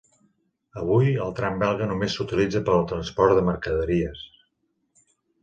Avui, el tram belga només s'utilitza per al transport de mercaderies.